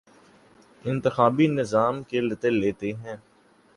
انتخابی نظام کے لتے لیتے ہیں